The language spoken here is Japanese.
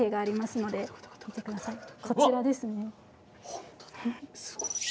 本当だすごい。